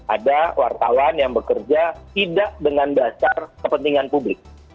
ada wartawan yang bekerja tidak dengan dasar kepentingan publik